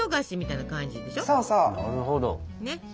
なるほど。